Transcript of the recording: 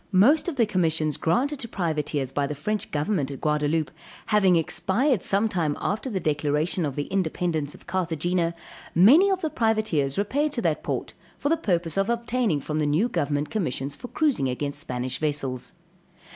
Most of the commissions granted to privateers by the French government at Gaudaloupe, having expired sometime after the declaration of the independence of Carthagena, many of the privateers repaired to that port, for the purpose of obtaining from the new government commissions for cruising against Spanish vessels.